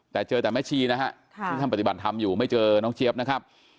แต่เจอแต่แม่ชีนะฮะที่ท่านปฏิบัติธรรมอยู่ไม่เจอน้องเจี๊ยบนะครับ